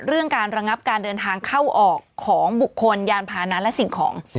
การระงับการเดินทางเข้าออกของบุคคลยานพานะและสิ่งของ